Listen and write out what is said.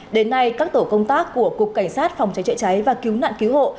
đến nay các tổ công tác của cục cảnh sát phòng cháy chữa cháy và cứu nạn cứu hộ